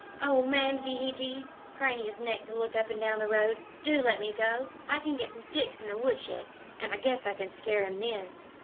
"Oh, Mamsie," he teased, craning his neck to look up and down the road, "do let me go. I can get some sticks in the woodshed, and I guess I can scare him then."